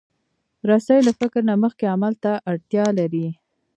رسۍ له فکر نه مخکې عمل ته اړتیا لري.